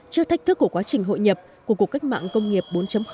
trước thách thức của quá trình hội nhập của cuộc cách mạng công nghiệp bốn